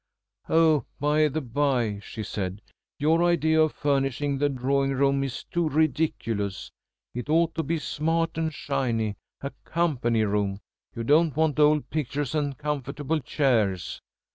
"Oh, by the bye," she said. "Your idea of furnishing the drawing room is too ridiculous. It ought to be smart and shiny a company room. You don't want old pictures and comfortable chairs!"